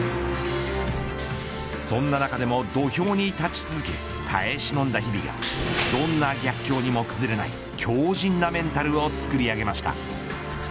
そんな中でも土俵に立ち続け耐え忍んだ日々がどんな逆境にも崩れない強靱なメンタルを作り上げました。